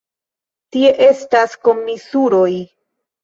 Tie estas komisuroj!